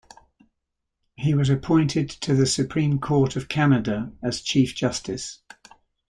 He was appointed to the Supreme Court of Canada as Chief Justice.